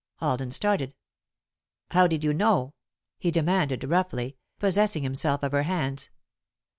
Alden started. "How did you know?" he demanded, roughly, possessing himself of her hands.